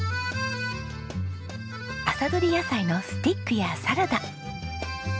朝どり野菜のスティックやサラダ。